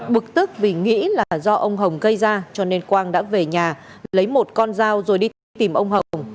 bực tức vì nghĩ là do ông hồng gây ra cho nên quang đã về nhà lấy một con dao rồi đi tìm ông hồng